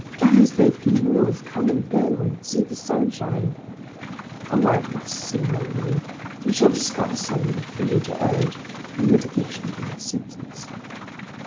A galley slave can move, come and go, and see the sunshine. Oh! I must see my lawyer; he shall discover some new plea to urge in mitigation of my sentence.